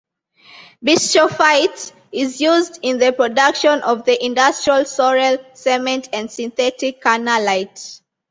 Bischofite is used in the production of the industrial Sorel cement and synthetic carnallite.